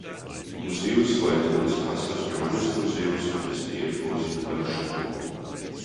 Musaeus war ein Sohn des Pastors Johannes Musaeus und dessen Ehefrau Sibylla Sturm.